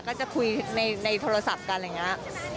ก็จะคุยในโทรศัพท์กันอะไรอย่างนี้